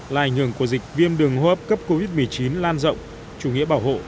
là ảnh hưởng của dịch viêm đường hô hấp cấp covid một mươi chín lan rộng chủ nghĩa bảo hộ